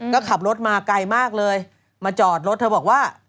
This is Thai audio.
ก็ขับรถมาไกลมากเลยมาจอดรถเธอบอกว่า